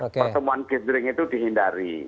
pertemuan gizring itu dihindari